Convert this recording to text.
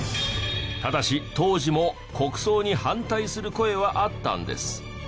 ただし当時も国葬に反対する声はあったんです。